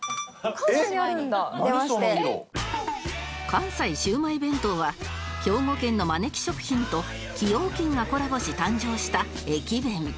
関西シウマイ弁当は兵庫県のまねき食品と崎陽軒がコラボし誕生した駅弁